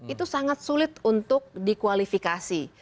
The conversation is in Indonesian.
itu sangat sulit untuk dikualifikasi